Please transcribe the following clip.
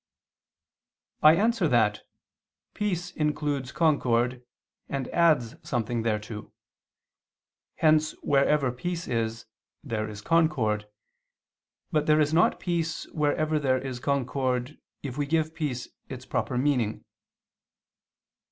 I answer that, Peace includes concord and adds something thereto. Hence wherever peace is, there is concord, but there is not peace, wherever there is concord, if we give peace its proper meaning.